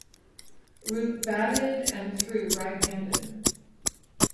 Root batted and threw right-handed.